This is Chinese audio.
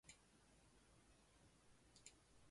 猫雷是陪酒女